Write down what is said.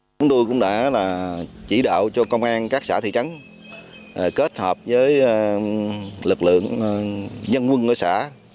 chúng tôi cũng đã chỉ đạo cho công an các xã thị trấn kết hợp với lực lượng dân quân ở xã